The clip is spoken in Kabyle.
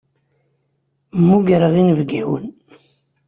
Mmugreɣ inebgawen.